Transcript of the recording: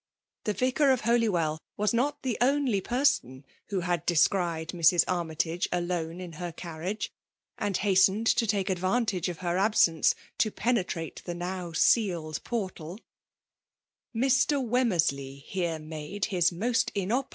The Vicar of Holywdi was not the only person wlio had descried Mrs. Ann3rtage alone in her carriage, and hastened to take advantage of her absence to 'penetrate the now sealed portal Mr. Wemmersley here made his most inoppor?